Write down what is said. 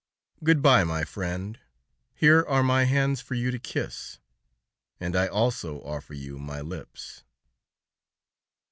"Good bye, my friend; here are my hands for you to kiss, and I also offer you my lips."